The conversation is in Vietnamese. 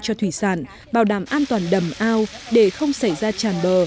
cho thủy sản bảo đảm an toàn đầm ao để không xảy ra tràn bờ